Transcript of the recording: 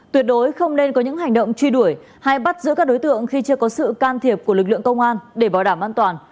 tuyệt đối không nên có những hành động truy đuổi hay bắt giữ các đối tượng khi chưa có sự can thiệp của lực lượng công an để bảo đảm an toàn